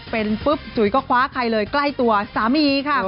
เป็นปุ๊บจุ๋ยก็คว้าใครเลยใกล้ตัวสามีค่ะ